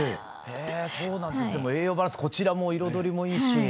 でも栄養バランスこちらも彩りもいいし。